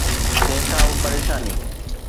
ڪنهن کان به پريشاني